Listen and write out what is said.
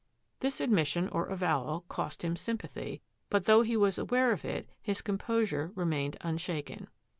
This admission, or avowal, cost him sympathy, but though he was aware of it, his composure re mained unshaken.